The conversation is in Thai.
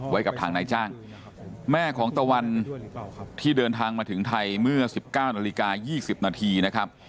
ไว้กับทางนายจ้างแม่ของตะวันที่เดินทางมาถึงไทยเมื่อ๑๙นาฬิกา๒๐นาทีนะครับ